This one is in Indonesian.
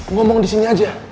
ngomong di sini aja